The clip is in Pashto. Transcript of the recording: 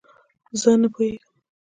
زۀ نۀ پوهېږم.